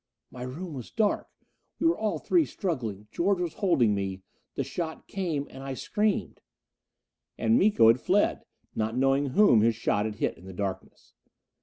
"My room was dark. We were all three struggling. George was holding me the shot came and I screamed." And Miko had fled, not knowing whom his shot had hit in the darkness.